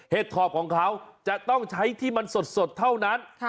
ถอบของเขาจะต้องใช้ที่มันสดเท่านั้น